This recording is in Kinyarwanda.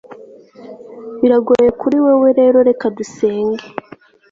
biragoye kuri wewe rero reka dusenge